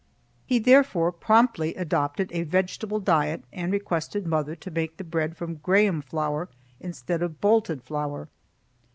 He therefore promptly adopted a vegetable diet and requested mother to make the bread from graham flour instead of bolted flour.